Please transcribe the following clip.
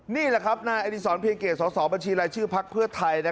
นี่แหละครับหน้าอริสรเปรียญเกจสสบัญชีรายชื่อพรรคเพื่อไทย